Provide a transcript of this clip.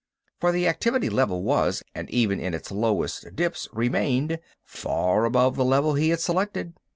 For the activity level was, and even in its lowest dips remained, far above the level he had selected.